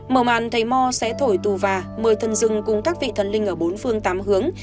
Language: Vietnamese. mở màn thầy mò sẽ thổi tù và mời thần rừng cúng các vị thần linh ở bốn phương tám hướng